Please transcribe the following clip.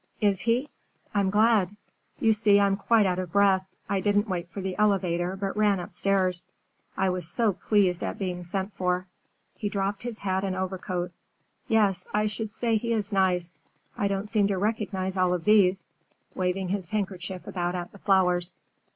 "Is he? I'm glad. You see I'm quite out of breath. I didn't wait for the elevator, but ran upstairs. I was so pleased at being sent for." He dropped his hat and overcoat. "Yes, I should say he is nice! I don't seem to recognize all of these," waving his handkerchief about at the flowers.